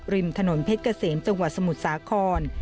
ริมถนนเพชรเกษมจังหวัดสมุทรสาคร